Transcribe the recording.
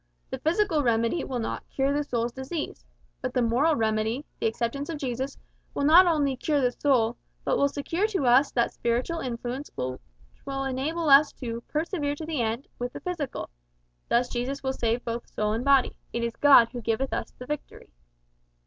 The physical remedy will not cure the soul's disease, but the moral remedy the acceptance of Jesus will not only cure the soul, but will secure to us that spiritual influence which will enable us to `persevere to the end' with the physical. Thus Jesus will save both soul and body `it is God who giveth us the victory.'"